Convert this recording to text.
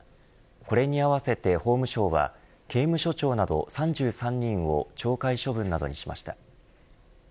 これに併せて法務省は刑務所長など３３人を懲戒処分などにしました。